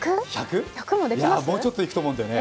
いや、もうちょっといくと思うんだよね。